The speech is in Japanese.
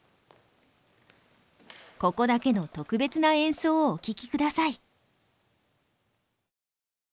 ここだけの特別な演奏をお聴きください。